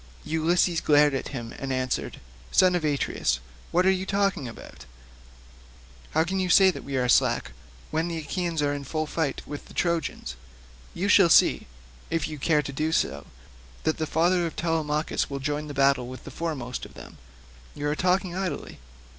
Ulysses glared at him and answered, "Son of Atreus, what are you talking about? How can you say that we are slack? When the Achaeans are in full fight with the Trojans, you shall see, if you care to do so, that the father of Telemachus will join battle with the foremost of them. You are talking idly."